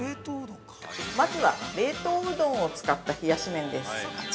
◆まずは冷凍うどんを使った冷やし麺です。